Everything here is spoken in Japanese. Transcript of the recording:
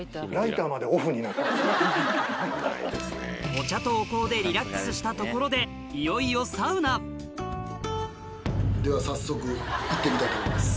お茶とお香でリラックスしたところででは早速行ってみたいと思います。